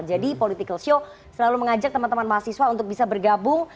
jadi political show selalu mengajak teman teman mahasiswa untuk bisa bergabung